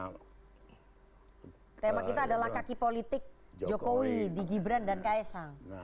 tema kita adalah kaki politik jokowi di gibran dan ks sang